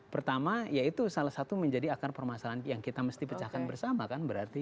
pertama ya itu salah satu menjadi akar permasalahan yang kita mesti pecahkan bersama kan berarti